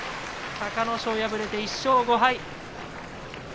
隆の勝敗れて１勝５敗。